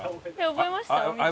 覚えました？